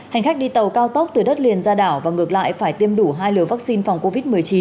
hành khách đi tàu cao tốc từ đất liền ra đảo và ngược lại phải tiêm đủ hai liều vaccine phòng covid một mươi chín